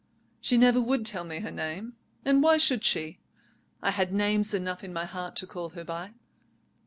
"She never would tell me her name, and why should she? I had names enough in my heart to call her by.